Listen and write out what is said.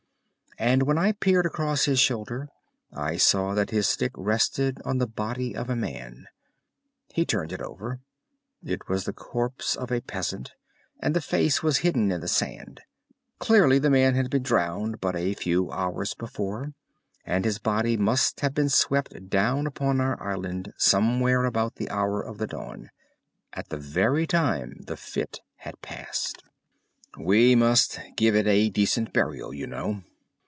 And when I peered across his shoulder I saw that his stick rested on the body of a man. He turned it over. It was the corpse of a peasant, and the face was hidden in the sand. Clearly the man had been drowned, but a few hours before, and his body must have been swept down upon our island somewhere about the hour of the dawn—at the very time the fit had passed. "We must give it a decent burial, you know."